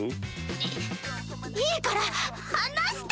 いいいから放して！